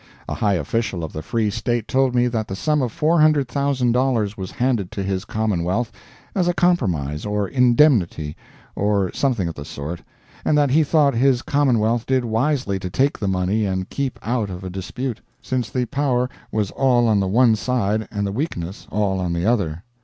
A high official of the Free State told me that the sum of $400,000 was handed to his commonwealth as a compromise, or indemnity, or something of the sort, and that he thought his commonwealth did wisely to take the money and keep out of a dispute, since the power was all on the one side and the weakness all on the other.